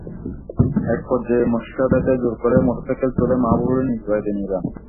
একপর্যায়ে মোর্শেদাকে জোর করে মোটরসাইকেলে তুলে মাহাবুর নিজের বাড়িতে নিয়ে যান।